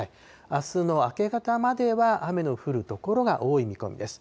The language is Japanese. あすの明け方までは雨の降る所が多い見込みです。